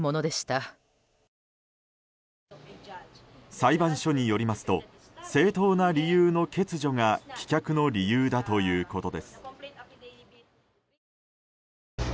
裁判所によりますと正当な理由の欠如が棄却の理由だということです。